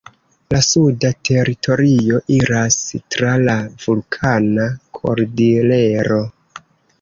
La suda teritorio iras tra la Vulkana Kordilero.